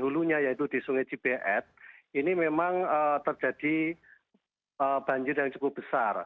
hulunya yaitu di sungai cibeet ini memang terjadi banjir yang cukup besar